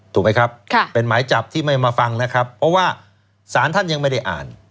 ถูกไหมครับเป็นหมายจับที่ไม่มาฟังนะครับเพราะว่าสารท่านยังไม่ได้อ่าน